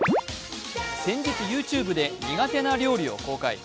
先日ＹｏｕＴｕｂｅで苦手な料理を公開。